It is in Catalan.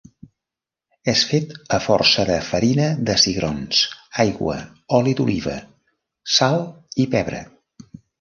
És fet a força de farina de cigrons, aigua, oli d'oliva, sal i pebre.